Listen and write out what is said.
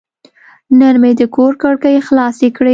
نن مې د کور کړکۍ خلاصې کړې.